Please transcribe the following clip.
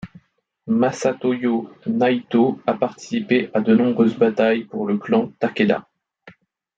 Masatoyo Naitō a participé à de nombreuses batailles pour le clan Takeda.